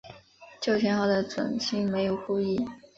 旧型号的准星没有护翼。